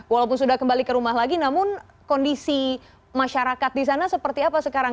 walaupun sudah kembali ke rumah lagi namun kondisi masyarakat di sana seperti apa sekarang